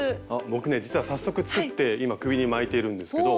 僕ね実は早速作って今首に巻いているんですけど。